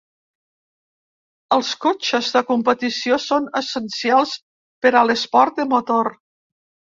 Els cotxes de competició són essencials per a l'esport de motor.